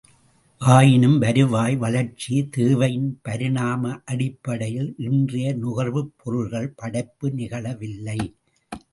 ஆயினும் வருவாய் வளர்ச்சி, தேவையின் பரிணாம அடிப்படையில் இன்றைய நுகர்வுப் பொருள்கள் படைப்பு நிகழவில்லை!